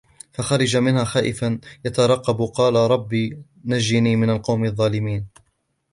فخرج منها خائفا يترقب قال رب نجني من القوم الظالمين